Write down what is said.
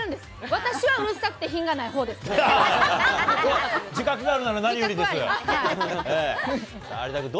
私はうるさくて品がないほうですけど。